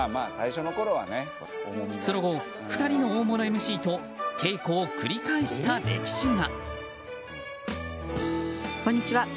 その後、２人の大物ＭＣと稽古を繰り返した歴史が。